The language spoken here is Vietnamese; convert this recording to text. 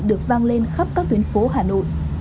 được vang lên khắp các tuyến phố hà nội